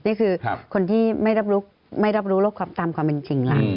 นี่คือคนที่ไม่รับรู้โรคตามความเป็นจริงล่ะ